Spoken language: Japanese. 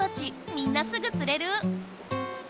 みんなすぐつれる！